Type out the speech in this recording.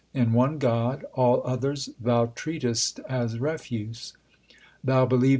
in one God, all others thou treatest as refuse. Thou believes!